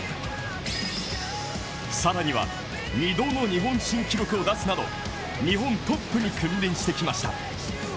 更には、２度の日本新記録を出すなど、日本トップに君臨してきました。